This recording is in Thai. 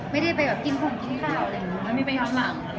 มันมีไปค่อนข้าง